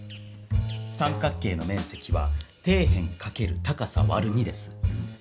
三角形の面積は底辺かける高さわる２です。